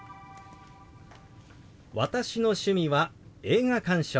「私の趣味は映画鑑賞です」。